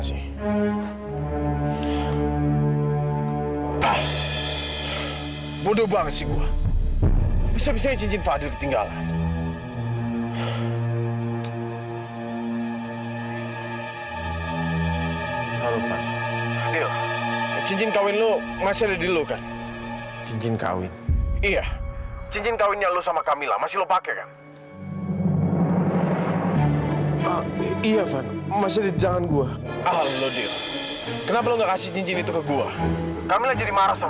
sampai jumpa di video selanjutnya